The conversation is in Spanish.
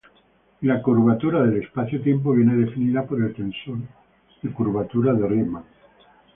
Y la curvatura del espacio-tiempo viene definida por el tensor de curvatura de Riemann.